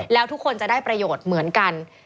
แล้วทุกคนจะได้ประโยชน์เหมือนกัน